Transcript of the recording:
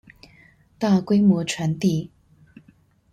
大規模傳遞